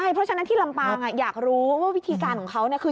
เพราะฉะนั้นที่ลำปางอยากรู้ว่าวิธีการของเขาคือ